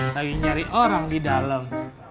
lagi nyari orang di dalam